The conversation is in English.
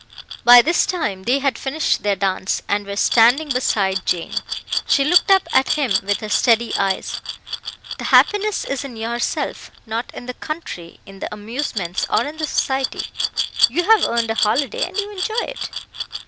By this time they had finished their dance, and were standing beside Jane. She looked up at him with her steady eyes "The happiness is in yourself not in the country, in the amusements, or in the society. You have earned a holiday, and you enjoy it."